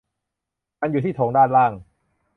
มันอยู่ที่โถงด้านล่าง